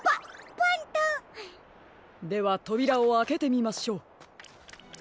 ではとびらをあけてみましょう。